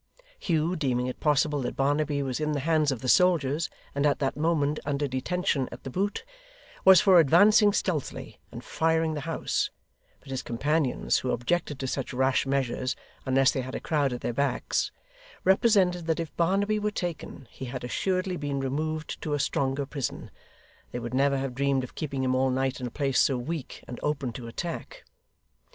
Hugh, deeming it possible that Barnaby was in the hands of the soldiers, and at that moment under detention at The Boot, was for advancing stealthily, and firing the house; but his companions, who objected to such rash measures unless they had a crowd at their backs, represented that if Barnaby were taken he had assuredly been removed to a stronger prison; they would never have dreamed of keeping him all night in a place so weak and open to attack.